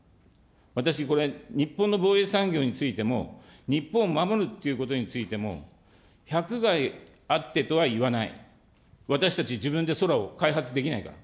私これ、日本の防衛産業についても、日本を守るということについても、百害あってとは言わない、私たち自分で空を開発できないから。